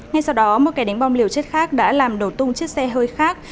ngay sau đó một kẻ đánh bom liều chết khác đã làm đổ tung chiếc xe hơi khác